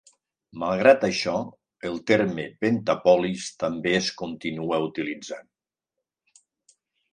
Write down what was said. Malgrat això, el terme "Pentapolis" també es continua utilitzant.